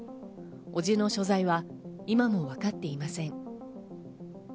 伯父の所在は今もわかっていません。